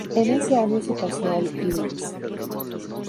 En ese año se pasó al Linz.